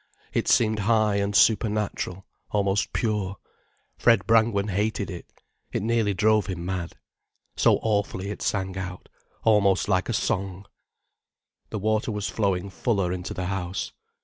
It seemed high and supernatural, almost pure. Fred Brangwen hated it. It nearly drove him mad. So awfully it sang out, almost like a song. The water was flowing fuller into the house.